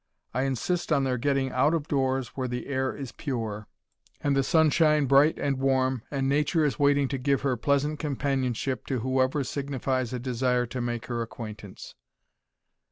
I insist on their getting out of doors, where the air is pure, and the sunshine bright and warm, and Nature is waiting to give her pleasant companionship to whoever signifies a desire to make her acquaintance.